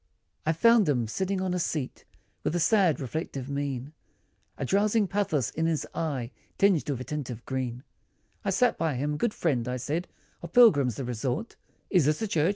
I FOUND him, sitting on a seat, With sad reflective mien, A drowsing pathos, in his eye, Tinged with a tint of green, I sat him by "good friend" I said, "Of pilgrims, the resort, Is this a church?"